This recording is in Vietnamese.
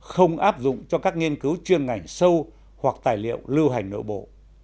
không áp dụng cho các nghiên cứu chuyên ngành sâu hoặc tài liệu lưu hành nội bộ